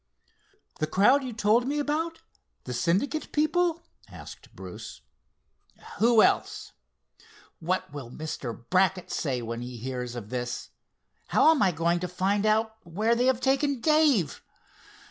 "The crowd you told me about—the Syndicate people?" asked Bruce. "Who else? What will Mr. Brackett say when he hears of this? How am I going to find out where they have taken Dave?